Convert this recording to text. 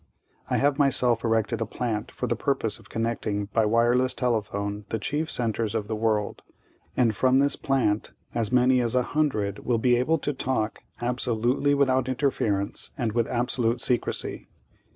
"I have myself erected a plant for the purpose of connecting by wireless telephone the chief centers of the world, and from this plant as many as a hundred will be able to talk absolutely without interference and with absolute secrecy.